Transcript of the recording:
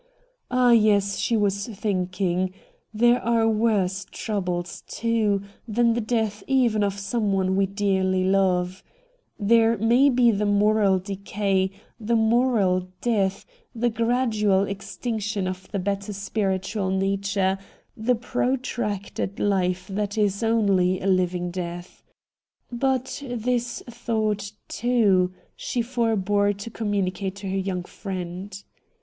Ah yes, she was thinking — there are worse troubles, too, than the death even of someone we dearly love ! There may be the moral decay, the moral death, the gradual extinction of the better spiritual nature, the protracted hfe that is only a Hving death ! But this ^ 156 RED DIAMONDS thought, too, she forbore to communicate to her young friend.